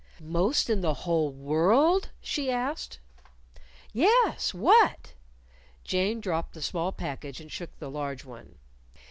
"Most in the whole world?" she asked. "Yes, what?" Jane dropped the small package and shook the large one.